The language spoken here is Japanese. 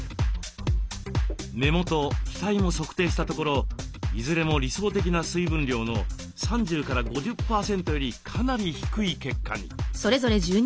目元額も測定したところいずれも理想的な水分量の３０５０％よりかなり低い結果に。